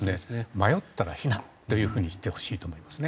迷ったら避難というふうにしてほしいと思いますね。